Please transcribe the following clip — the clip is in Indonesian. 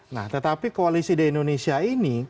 nah tetapi koalisi di indonesia ini